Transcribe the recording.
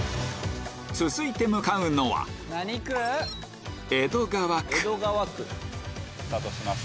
続いて向かうのはスタートします